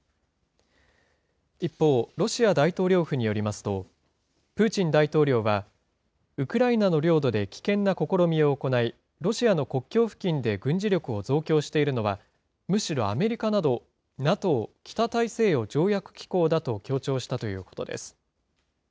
一方、ロシア大統領府によりますと、プーチン大統領はウクライナの領土で危険な試みを行い、ロシアの国境付近で軍事力を増強しているのは、むしろアメリカなど、ＮＡＴＯ・北大西洋条約機構だと強調したということです。